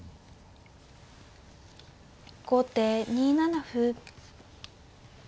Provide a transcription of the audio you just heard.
後手２七歩。